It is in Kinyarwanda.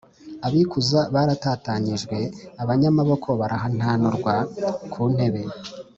abikuza baratatanyijwe, abanyamaboko bahantanurwa ku ntebe